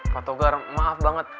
pak togar maaf banget